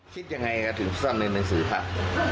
คิดอย่างไรถึงซ่อนในหนังสือภาค